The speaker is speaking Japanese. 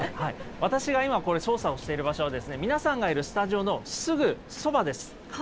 私が今これ、操作をしている場所は、皆さんがいるスタジオのすぐそばです。